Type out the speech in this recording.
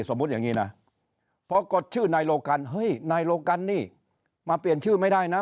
สมมุติอย่างนี้นะพอกดชื่อนายโลกันเฮ้ยนายโลกันนี่มาเปลี่ยนชื่อไม่ได้นะ